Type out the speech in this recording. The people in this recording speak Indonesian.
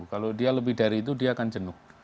kalau dia lebih dari itu dia akan jenuh